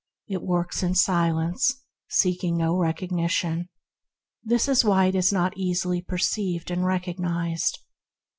It works in silence, seeking no recognition, which is why it is not easily perceived and recog nized.